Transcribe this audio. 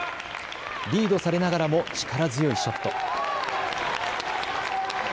リードされながらも力強いショット。